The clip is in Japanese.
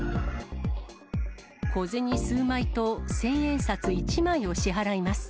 小銭数枚と、千円札１枚を支払います。